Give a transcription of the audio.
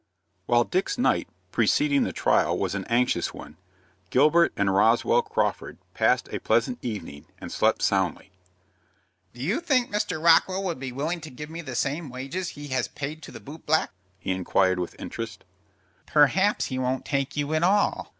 While Dick's night preceding the trial was an anxious one, Gilbert and Roswell Crawford passed a pleasant evening, and slept soundly. "Do you think Mr. Rockwell would be willing to give me the same wages he has paid to the boot black?" he inquired with interest. "Perhaps he won't take you at all."